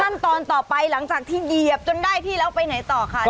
ขั้นตอนต่อไปหลังจากที่เหยียบจนได้ที่แล้วไปไหนต่อค่ะ